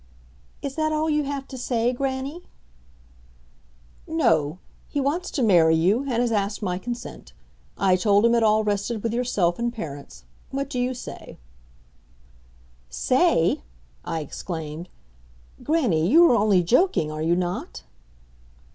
"Is that all you have to say, grannie?" "No. He wants to marry you, and has asked my consent. I told him it all rested with yourself and parents. What do you say?" "Say," I exclaimed, "grannie, you are only joking, are you not?"